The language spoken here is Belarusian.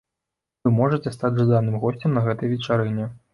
Вы можаце стаць жаданым госцем на гэтай вечарыне.